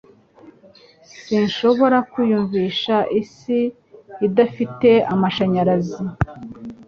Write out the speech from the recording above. Sinshobora kwiyumvisha isi idafite amashanyarazi.